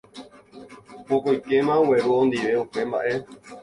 vokóikema ogueru ondive upe mba'e.